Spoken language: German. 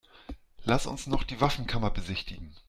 Lass uns noch die Waffenkammer besichtigen.